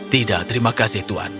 tidak terima kasih tuhan